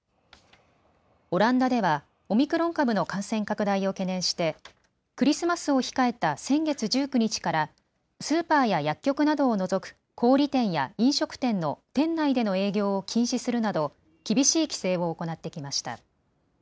オランダではオミクロン株の感染拡大を懸念してクリスマスを控えた先月１９日からスーパーや薬局などを除く小売店や飲食店の店内での営業を禁止するなど厳しい規制を行ってきました。